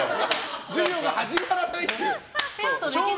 授業が始まらないっていう。